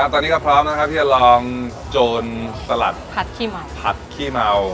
ตอนนี้ก็พร้อมนะครับที่จะลองโจรสลัดขี้เมาผัดขี้เมา